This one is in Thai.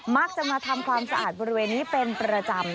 มักจะมาทำความสะอาดบริเวณนี้เป็นประจำ